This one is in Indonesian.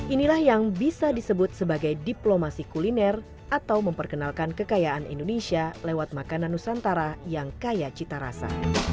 inilah yang bisa disebut sebagai diplomasi kuliner atau memperkenalkan kekayaan indonesia lewat makanan nusantara yang kaya cita rasa